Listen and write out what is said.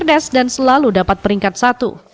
pedas dan selalu dapat peringkat satu